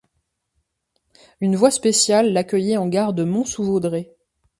Une voie spéciale l'accueillait en gare de Mont-sous-Vaudrey.